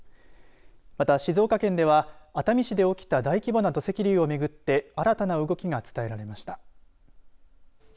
また、静岡県では熱海市で起きた大規模な土石流をめぐって新たな動きが伝えられました。